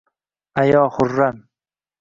Ayo, Xurram!